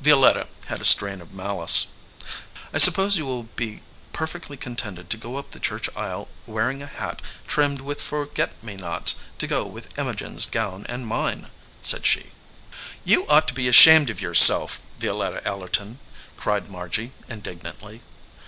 Violetta had a strain of malice. "I suppose you 83 EDGEWATER PEOPLE will be perfectly contented to go up the church aisle wearing a hat trimmed with forget me nots to go with Imogen s gown and mine," said she. "You ought to be ashamed of yourself, Violetta Ellerton," cried Margy, indignantly.